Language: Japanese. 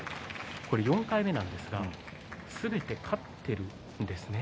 これで４回目なんですがすべて勝っているんですね。